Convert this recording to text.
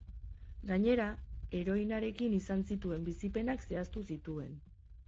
Gainera, heroinarekin izan zituen bizipenak zehaztu zituen.